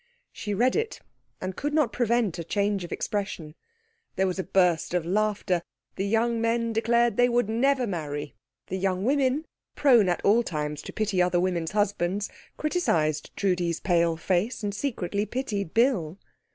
She read it, and could not prevent a change of expression. There was a burst of laughter. The young men declared they would never marry. The young women, prone at all times to pity other women's husbands, criticised Trudi's pale face, and secretly pitied Bill.